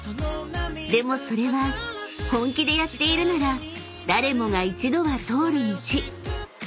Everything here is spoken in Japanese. でもそれは本気でやっているなら誰もが一度は通る道］